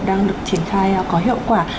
đang được triển khai có hiệu quả